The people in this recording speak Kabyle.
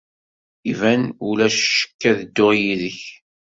Iban! Ulac ccek ad d-dduɣ yid-k!